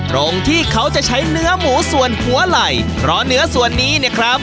ตรงที่เขาจะใช้เนื้อหมูส่วนหัวไหล่เพราะเนื้อส่วนนี้เนี่ยครับ